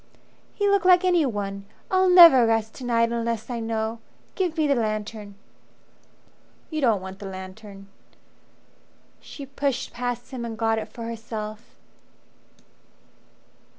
"He looked like anyone. I'll never rest to night unless I know. Give me the lantern." "You don't want the lantern." She pushed past him and got it for herself.